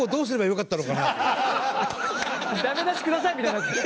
「ダメ出しください」みたいになってる。